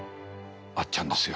あっちゃんですよ。